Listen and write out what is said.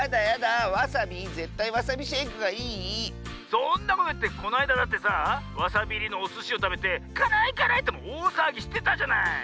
そんなこといってこないだだってさあわさびいりのおすしをたべて「からいからい！」っておおさわぎしてたじゃない。